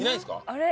あれ？